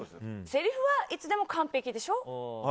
せりふはいつでも完璧でしょ？